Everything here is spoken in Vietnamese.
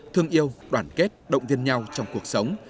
thương yêu đoàn kết động viên nhau trong cuộc sống